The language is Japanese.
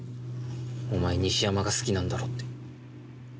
お前西山が好きなんだろって。